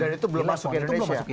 dan itu belum masuk ke indonesia